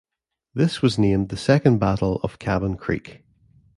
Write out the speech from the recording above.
This was named the Second Battle of Cabin Creek.